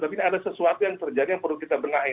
tapi ini ada sesuatu yang terjadi yang perlu kita benahi